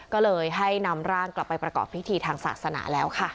ก็เลยให้นำร่างกลับไปประกอบพิธีทางศาสนาแล้วค่ะ